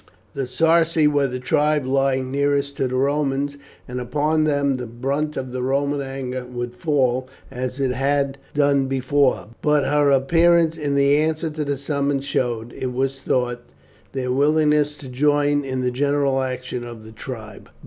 The Sarci were the tribe lying nearest to the Romans, and upon them the brunt of the Roman anger would fall, as it had done before; but her appearance in answer to the summons showed, it was thought, their willingness to join in the general action of the tribe.